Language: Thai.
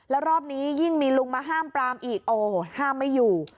แล้วรอบนี้ยิ่งมีลุงมาห้ามปรามอีกโอ้ห้ามไม่อยู่